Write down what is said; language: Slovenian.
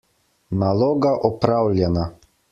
Naloga opravljena!